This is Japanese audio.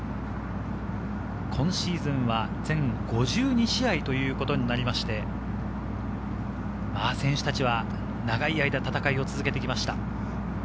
今シーズンは全５２試合ということになって選手たちは長い間、戦いを続けてきました。